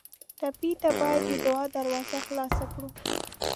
ټپي ته باید د دعا دروازه خلاصه کړو.